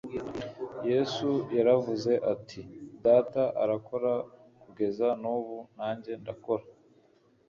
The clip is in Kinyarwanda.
Yesu yaravuze ati, “Data arakora kugeza n’ubu, nanjye ndakora.”